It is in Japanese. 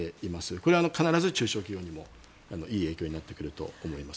これは必ず中小企業にもいい影響になってくると思います。